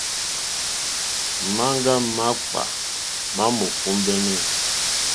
Maŋga makpà ma ò kombεnε.